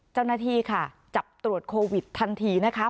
เจ้าหน้าที่ค่ะจับตรวจโควิดทันทีนะคะ